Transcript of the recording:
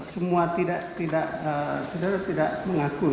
semua tidak saudara tidak mengakui